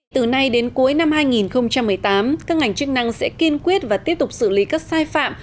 từ nay đến cuối năm hai nghìn một mươi tám các ngành chức năng sẽ kiên quyết và tiếp tục xử lý các sai phạm